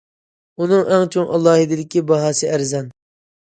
ئۇنىڭ ئەڭ چوڭ ئالاھىدىلىكى باھاسى ئەرزان.